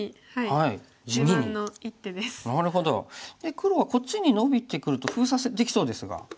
黒はこっちにノビてくると封鎖できそうですが。